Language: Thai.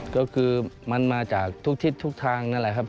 ก็คือมันมาจากทุกทิศทุกทางนั่นแหละครับ